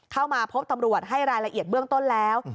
เข้ามาพบตำรวจให้รายละเอียดเบื้องต้นแล้ว